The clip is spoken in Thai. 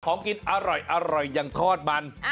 ของกินอร่อยยังคลอดมัน